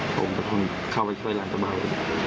ผมก็คงเข้าไปช่วยหลานเจ้าบ่าว